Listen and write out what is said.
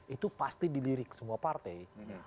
itu pasti dilirik semua partai